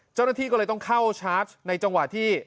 เจ้าหน้าที่ก็เลยต้องเข้าชาร์จในจังหวะที่